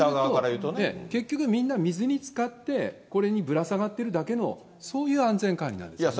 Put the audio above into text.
結局、みんな水につかって、これにぶら下がってるだけの、そういう安全管理なんですね。